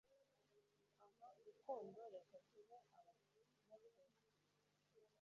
Ah rukundo reka tube abanyakuri